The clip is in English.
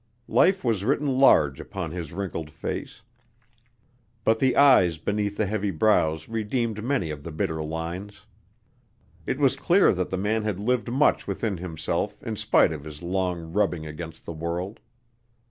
Life was written large upon his wrinkled face, but the eyes beneath the heavy brows redeemed many of the bitter lines. It was clear that the man had lived much within himself in spite of his long rubbing against the world.